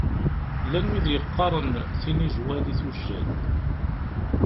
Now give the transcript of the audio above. Llan wid yeqqaṛen tinijwal i tujjal.